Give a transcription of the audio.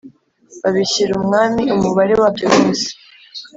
babishyira umwami umubare wabyo wose